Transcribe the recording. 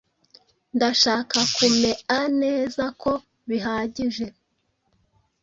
Ndashaka kumea neza ko bihagije.